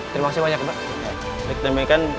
terima kasih banyak pak